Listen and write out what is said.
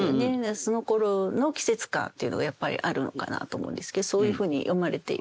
そのころの季節感というのがやっぱりあるのかなと思うんですけどそういうふうに詠まれています。